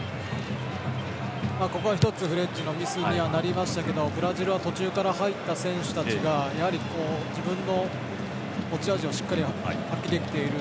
ここは１つフレッジのミスにはなりましたがブラジルは途中から入った選手たちが自分の持ち味をしっかり発揮できている。